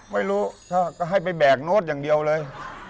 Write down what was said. ไม่รู้ถ้าก็ให้ไปแบกโน้ตอย่างเดียวเลย